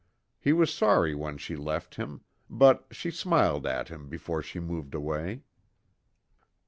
He was sorry when she left him, but she smiled at him before she moved away.